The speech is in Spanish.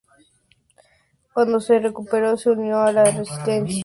Cuando se recuperó, se unió a la resistencia como enfermera.